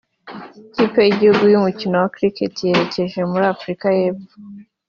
Ikipe y’igihugu y’umukino wa Cricket yerekeje muri Afurika y’epfo